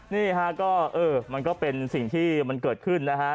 นี่ค่ะมันก็เป็นสิ่งที่มันเกิดขึ้นนะครับ